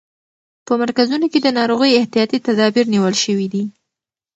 په مرکزونو کې د ناروغۍ احتیاطي تدابیر نیول شوي دي.